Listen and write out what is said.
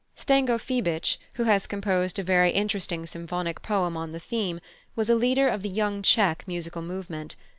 +Zdenko Fibich+, who has composed a very interesting symphonic poem on the theme, was a leader of the "Young Czech" musical movement.